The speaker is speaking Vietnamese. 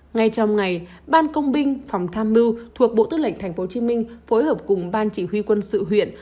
ngay trong ngày ban công binh phòng tham mưu thuộc bộ tư lệnh tp hcm phối hợp cùng ban chỉ huy quân sự huyện